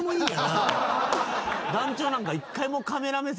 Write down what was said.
団長なんか。